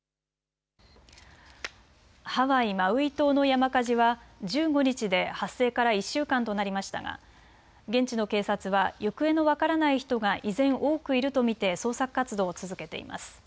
ハワイ・マウイ島の山火事は１５日で発生から１週間となりましたが現地の警察は行方の分からない人が依然、多くいると見て捜索活動を続けています。